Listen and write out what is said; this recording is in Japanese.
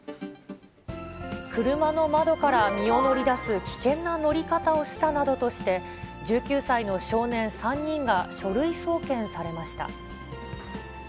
車の窓から身を乗り出す危険な乗り方をしたなどとして、１９歳の少年３人が書類送検されました。